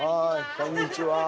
こんにちは。